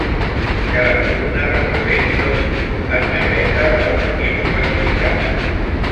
Cada columna representa un grup; en negreta els equips classificats.